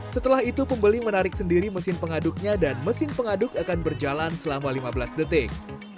setelah itu pembeli menarik sendiri mesin pengaduknya dan mesin pengaduk akan berjalan selama lima belas detik